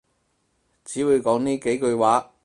只會講呢幾句話